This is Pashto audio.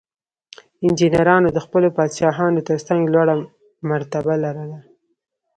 انجینرانو د خپلو پادشاهانو ترڅنګ لوړه مرتبه لرله.